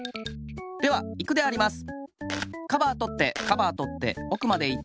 ではいくであります。